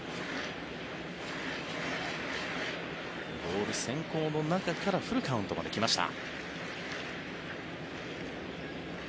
ボール先行の中からフルカウントまできました。